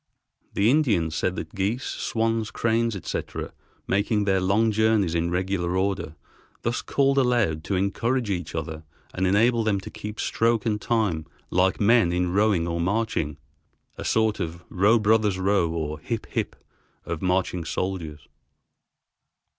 The Indians said that geese, swans, cranes, etc., making their long journeys in regular order thus called aloud to encourage each other and enable them to keep stroke and time like men in rowing or marching (a sort of "Row, brothers, row," or "Hip, hip" of marching soldiers).